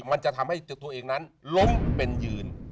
มันจะทำให้ตัวเองนั้นล้มเป็นยืน